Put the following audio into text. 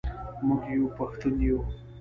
موږ یو پښتون یو.